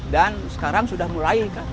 dan sekarang sudah mulai kan